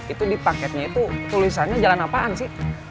itu di paketnya itu tulisannya jalan apaan sih